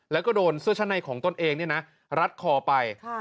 แล้วก็โดนเสื้อชั้นในของตนเองรัดคอไป